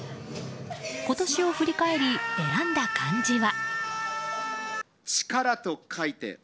今年を振り返り、選んだ漢字は。